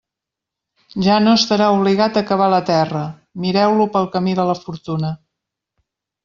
Ja no estarà obligat a cavar la terra; mireu-lo pel camí de la fortuna.